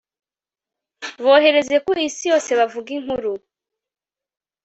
bohereze ku isi yose, bavuge inkuru